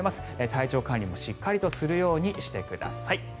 体調管理もしっかりとするようにしてください。